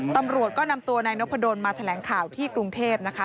ตำรวจก็นำตัวนายนพดลมาแถลงข่าวที่กรุงเทพนะคะ